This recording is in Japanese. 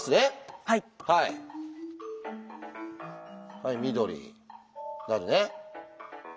はい緑なるね。